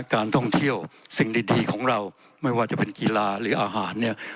การท่องเที่ยวสิ่งดีของเราไม่ว่าจะเป็นกีฬาหรืออาหารเนี่ย